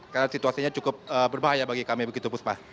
karena situasinya cukup berbahaya bagi kami begitu puspa